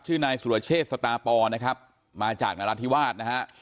ชื่อนายสุรเชษฐ์สตาปอลนะครับมาจากรัฐธิวาสนะฮะ